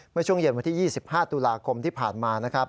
เมื่อช่วงเย็นวันที่๒๕ตุลาคมที่ผ่านมานะครับ